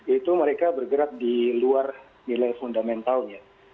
itu mereka bergerak di luar nilai fundamentalnya